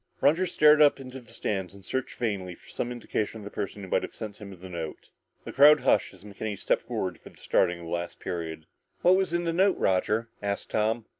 Roger stared up into the stands and searched vainly for some indication of the person who might have sent him the note. The crowd hushed as McKenny stepped forward for the starting of the last period. "What was in the note, Roger?" asked Tom.